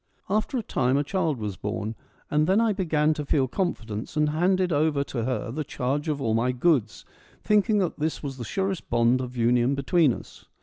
After a time a child was born and then I began to feel confidence, and handed over to her the charge of all my goods, thinking that this was the surest bond of union between us.